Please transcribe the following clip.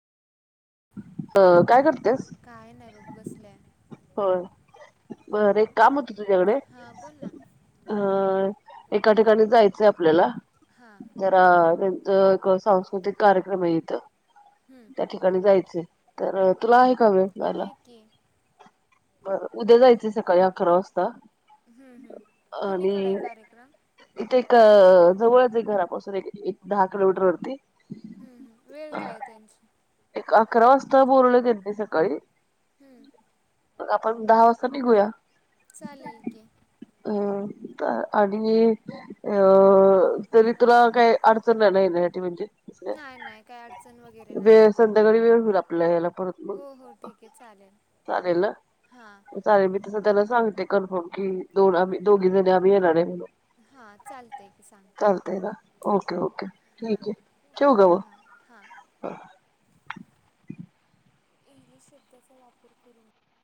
अ काय करत होय बर एक काम होतं तुझ्याकडे अ एका ठिकाणी जायचंय आपल्याला जरा त्यांच एक सांस्कृतिक कार्यक्रम आहे इथं त्या ठिकाणी जायचं तर तुला वला उद्या जायचं सकाळी अकरा वाजता आणि इथे एक जवळच एक घरापासून एक एक दहा किलोमीटर वरती अकरा वाजता बोललं ग सकाळी म आपण दहा वाजता निघूया अ आणि अ तरी तुला काय अडचण नाही ना येण्यासाठी म्हणजे काये जरा वेळ होईल आपल्या याला परत मग चालेल चालेल मी तसं त्याला सांगते कन्फर्म कि दोन आम्ही दोघी जणे आम्ही येणार आहे म्हणून चालत ना ओके ओके ठीक आहे ठेऊ का मग इंग्लिश शब्दाचा वापर करून